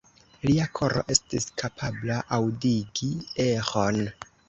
Lia koro estis kapabla aŭdigi eĥon.